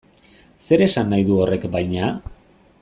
Zer esan nahi du horrek baina?